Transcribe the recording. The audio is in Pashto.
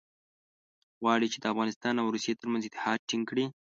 غواړي چې د افغانستان او روسیې ترمنځ اتحاد ټینګ کړي.